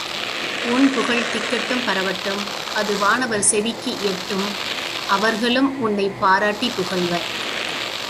உன் புகழ் திக்கெட்டும் பரவட்டும் அது வானவர் செவிக்கு எட்டும் அவர்களும் உன்னைப் பாராட்டிப் புகழ்வர்.